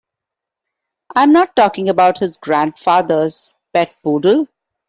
I'm not talking about his grandfather's pet poodle.